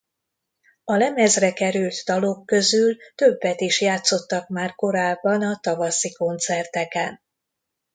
A lemezre került dalok közül többet is játszottak már korábban a tavaszi koncerteken.